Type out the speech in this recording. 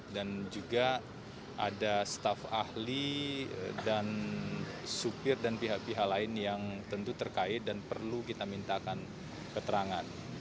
dan juga ada staff ahli dan supir dan pihak pihak lain yang tentu terkait dan perlu kita mintakan keterangan